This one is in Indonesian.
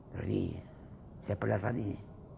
jadi saya perhatikan ini